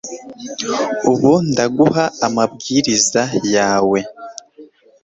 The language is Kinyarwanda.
Ubu ndaguha amabwiriza yawe